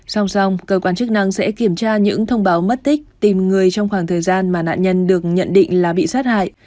song song cơ quan chức năng sẽ kiểm tra những thông báo mất tích tìm người trong khoảng thời gian mà nạn nhân được nhận định là bị sát hại